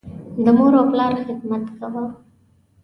د مور او پلار خدمت کوه.